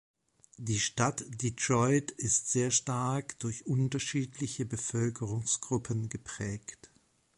Die Stadt Detroit ist sehr stark durch unterschiedliche Bevölkerungsgruppen geprägt.